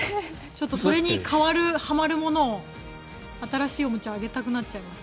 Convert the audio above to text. それに代わるものを新しいおもちゃをあげたくなっちゃいます。